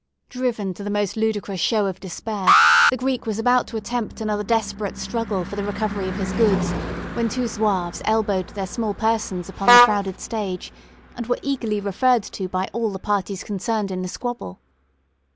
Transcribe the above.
Driven to the most ludicrous show of despair, the Greek was about to attempt another desperate struggle for the recovery of his goods, when two Zouaves elbowed their small persons upon the crowded stage, and were eagerly referred to by all the parties concerned in the squabble.